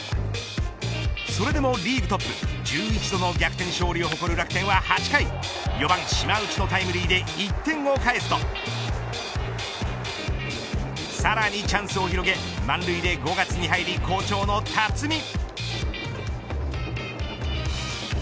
それでもリーグトップ中日との逆転勝利を誇る楽天は８回４番、島内のタイムリーで１点を返すとさらにチャンスを広げ満塁で、５月に入り好調の辰己。